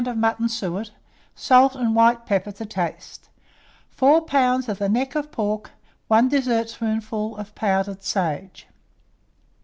of mutton suet, salt and white pepper to taste, 4 lbs. of the neck of pork, 1 dessertspoonful of powdered sage.